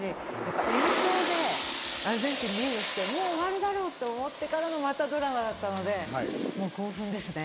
延長で、アルゼンチンがリードして、もう終わるだろうと思ってからのドラマだったので、興奮ですね。